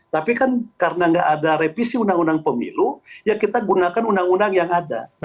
tapi kan karena nggak ada revisi undang undang pemilu ya kita gunakan undang undang yang ada